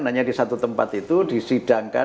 hanya di satu tempat itu disidangkan